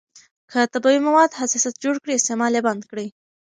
که طبیعي مواد حساسیت جوړ کړي، استعمال یې بند کړئ.